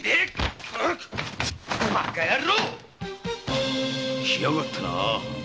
バカ野郎！来やがったな。